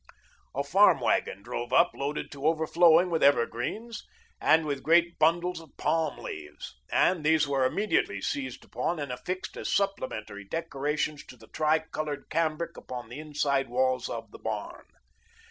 A farm wagon drove up loaded to overflowing with evergreens and with great bundles of palm leaves, and these were immediately seized upon and affixed as supplementary decorations to the tri coloured cambric upon the inside walls of the barn.